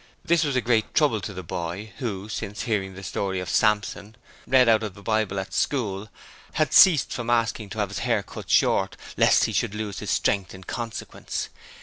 This was a great trouble to the boy, who, since hearing the story of Samson read out of the Bible at school, had ceased from asking to have his hair cut short, lest he should lose his strength in consequence.